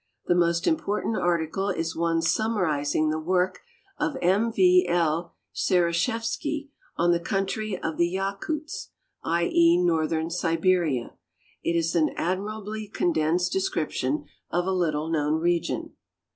The most important article is one summarizing the work of M. V. L. Seroshevski on the Country of the Yakuts — i. e., northern Siberia. It is an admirably condensed descrip tion of a little known region.